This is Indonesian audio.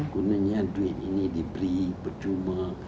gunanya duit ini diberi percuma